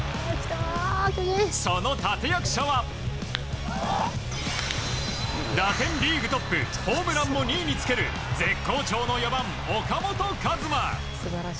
その立役者は打点リーグトップホームランも２位につける絶好調の４番、岡本和真。